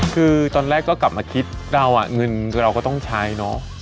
คือตอนแรกก็กลับมาคิดเราเงินเราก็ต้องใช้เนาะ